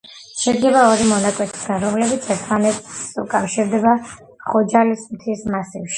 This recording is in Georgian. შედგება ორი მონაკვეთისაგან, რომლებიც ერთმანეთს უკავშირდება ხოჯალის მთის მასივში.